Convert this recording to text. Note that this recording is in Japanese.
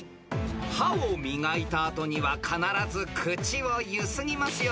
［歯を磨いた後には必ず口をゆすぎますよね］